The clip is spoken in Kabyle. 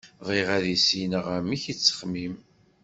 Bɣiɣ ad issineɣ amek i tettxemmim.